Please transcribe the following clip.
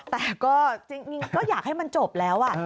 แต่ก็อยากให้มันจบแล้ว